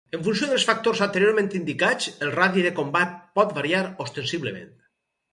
En funció dels factors anteriorment indicats el radi de combat pot variar ostensiblement.